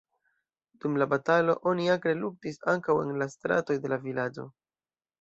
Dum la batalo oni akre luktis ankaŭ en la stratoj de la vilaĝo.